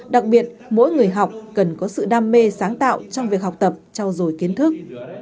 đặc biệt mỗi người học cần có sự đam mê sáng tạo trong việc học tập trao dồi kiến thức